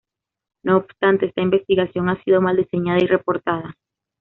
No obstante, esta investigación ha sido mal diseñada y reportada.